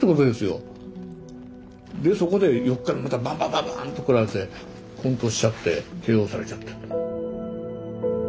でそこで横からまたバンバンバンバンとこられてこん倒しちゃってＫＯされちゃった。